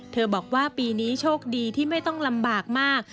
บอกว่าปีนี้โชคดีที่ไม่ต้องลำบากมาก